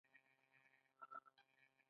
د کاناډا په لویدیځ کې ځنګلونه شته.